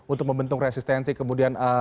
untuk membentuk resistensi kemudian